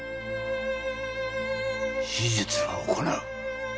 手術は行う。